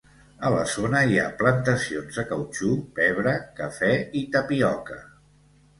A la zona hi ha plantacions de cautxú, pebre, cafè i tapioca.